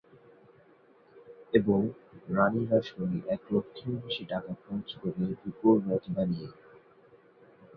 এবং রাণী রাসমণি এক লক্ষেরও বেশি টাকা খরচ করে রুপোর রথ বানিয়ে।